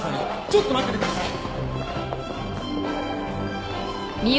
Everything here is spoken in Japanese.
ちょっと待っててください。